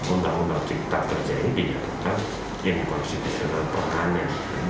undang undang cipta kerja ini dikatakan inkonstitusional perannya